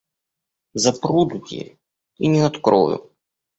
Запру дверь и не открою.